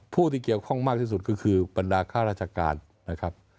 ผู้ที่เกี่ยวข้องมากที่สุดก็คือบรรดาค่าราชการนะครับ